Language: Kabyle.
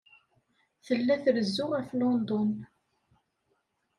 Tella trezzu ɣef London.